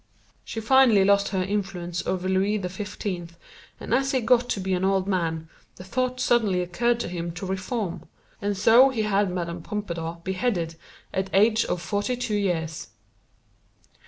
She finally lost her influence over Looey the XV, and as he got to be an old man the thought suddenly occurred to him to reform, and so he had Mme. Pompadour beheaded at the age of forty two years.